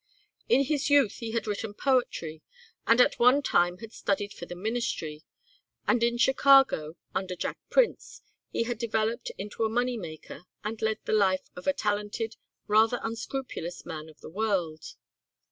In his youth he had written poetry and at one time had studied for the ministry, and in Chicago, under Jack Prince, he had developed into a money maker and led the life of a talented, rather unscrupulous man of the world.